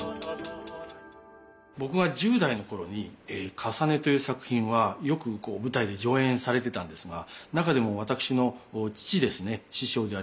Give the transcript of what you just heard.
僕が１０代の頃に「かさね」という作品はよく舞台で上演されてたんですが中でも私の父ですね師匠であります